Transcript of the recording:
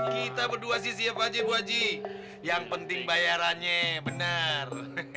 kita berdua sih siap aja bu aji yang penting bayarannya bener